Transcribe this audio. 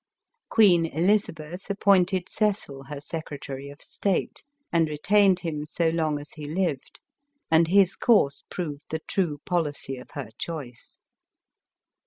Queen Elizabeth appointed Cecil her Secretary of State, and retained him so long as he lived ; and his course proved the true policy of her choice.